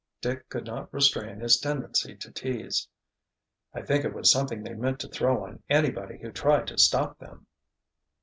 Dick could not restrain his tendency to tease. "I think it was something they meant to throw on anybody who tried to stop them."